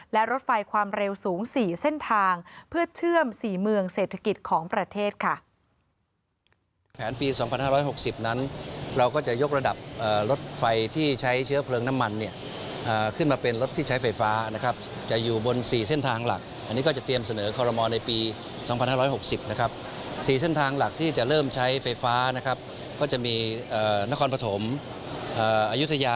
และรถไฟความเร็วสูง๔เส้นทางเพื่อเชื่อม๔เมืองเศรษฐกิจของประเทศค่ะ